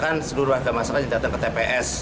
kan seluruh warga masyarakat yang datang ke tps